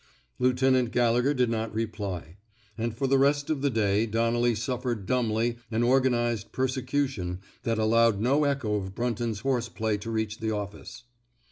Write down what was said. Lieutenant Gallegher did not reply. And for the rest of the day Donnelly suffered dumbly an organized persecution that al lowed no echo of Brunton's horse play to reach the office.